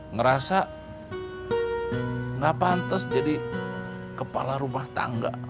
ngerasa gak pantes jadi kepala rumah tangga